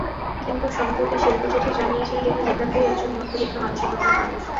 কিন্তু সম্প্রতি শিল্পা শেঠি জানিয়েছেন, তিনি নিতান্তই একজন মধ্যবিত্ত মানসিকতার মানুষ।